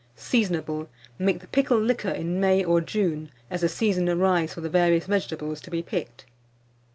Seasonable. Make the pickle liquor in May or June, as the season arrives for the various vegetables to be picked.